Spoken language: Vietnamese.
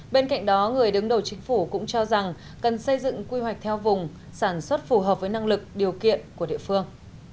bên cạnh đó người đứng đầu chính phủ cũng cho rằng cần xây dựng quy hoạch theo vùng sản xuất phù hợp với năng lực điều kiện của địa phương